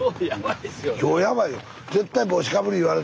今日やばいよ。